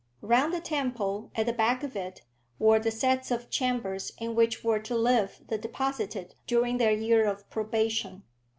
Round the temple, at the back of it, were the sets of chambers in which were to live the deposited during their year of probation.